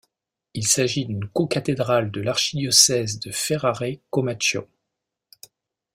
Il s'agit d'une cocathédrale de l'archidiocèse de Ferrare-Comacchio.